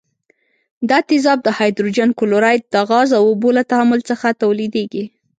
دا تیزاب د هایدروجن کلوراید د غاز او اوبو له تعامل څخه تولیدیږي.